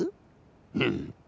うん。